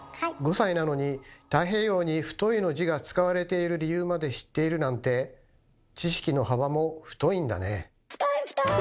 ５歳なのに太平洋に「太」の字が使われている理由まで知っているなんて太い太い！